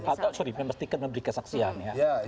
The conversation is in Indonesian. atau maaf memastikan memberikan saksian